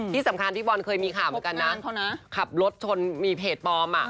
ที่สำคัญพี่บอลเคยมีข่าวเหมือนกันนะขับรถชนมีเพจปลอมอ่ะ